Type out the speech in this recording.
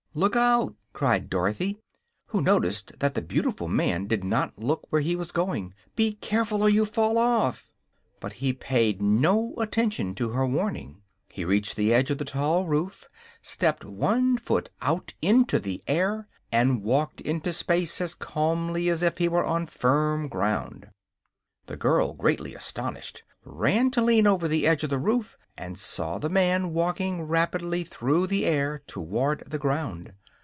"Look out!" cried Dorothy, who noticed that the beautiful man did not look where he was going; "be careful, or you'll fall off!" But he paid no attention to her warning. He reached the edge of the tall roof, stepped one foot out into the air, and walked into space as calmly as if he were on firm ground. The girl, greatly astonished, ran to lean over the edge of the roof, and saw the man walking rapidly through the air toward the ground.